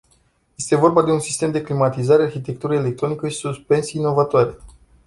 Este vorba de un sistem de climatizare, arhitectură electronică și suspensii inovatoare.